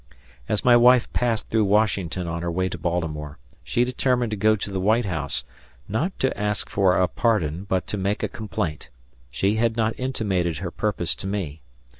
As my wife passed through Washington on her way to Baltimore, she determined to go to the White House, not to ask for a pardon, but to make a complaint. She had not intimated her purpose to me.